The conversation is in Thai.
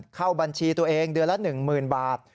เข้าบัญชีตัวเองเดือนละ๑๐๐๐บาท